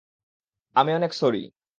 আমি অনেক সরি!